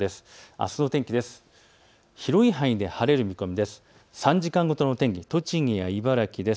あすの天気です。